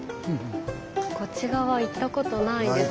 こっち側行ったことないです。